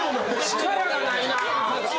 力がないな。